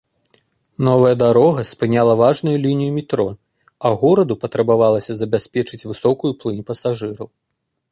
Новая дарога спыняла важную лінію метро, а гораду патрабавалася забяспечыць высокую плынь пасажыраў.